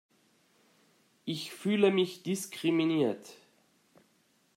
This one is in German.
Ich fühle mich diskriminiert!